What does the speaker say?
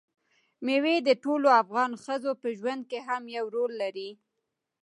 مېوې د ټولو افغان ښځو په ژوند کې هم یو رول لري.